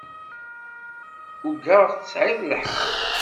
Ugaɣ tesɛid lḥeqq.